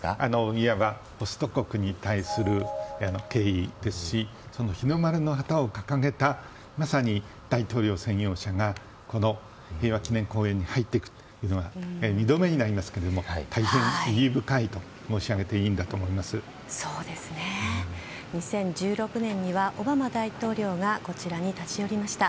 いわばホスト国に対する敬意ですし日の丸の旗を掲げた大統領専用車がこの平和記念公園に入っていくというのが２度目になりますが大変意義深いと２０１６年にはオバマ大統領がこちらに立ち寄りました。